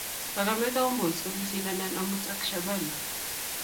Kakamega homeboys ko kokisindanan amut ak Shabana